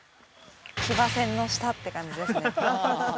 騎馬戦の下って感じですね